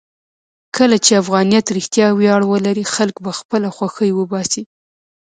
کله چې افغانیت رښتیا ویاړ ولري، خلک به خپله خوښۍ وباسي.